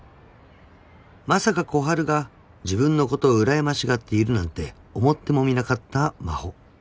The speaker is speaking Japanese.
［まさか小春が自分のことをうらやましがっているなんて思ってもみなかった真帆］